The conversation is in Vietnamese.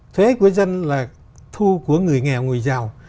thuế của dân là thu của người nghèo người giàu